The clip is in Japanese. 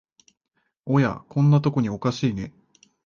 おや、こんなとこにおかしいね